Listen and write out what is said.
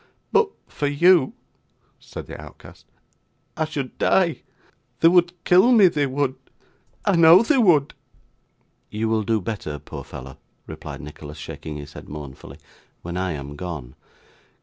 'But for you,' said the outcast, 'I should die. They would kill me; they would; I know they would.' 'You will do better, poor fellow,' replied Nicholas, shaking his head mournfully, 'when I am gone.